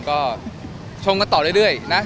ก็ชมกันต่อเรื่อยนะ